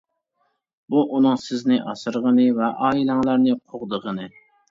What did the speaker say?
بۇ ئۇنىڭ سىزنى ئاسرىغىنى ۋە ئائىلەڭلارنى قوغدىغىنى.